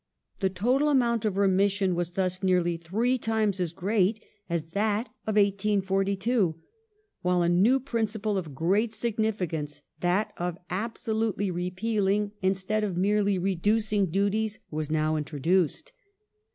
The total amount of remission was thus nearly three times as great as that in 1842, while a new principle of great significance, that " of absolutely repealing instead 1846] THE BUDGET OF 1845 169 of merely reducing duties was now introduced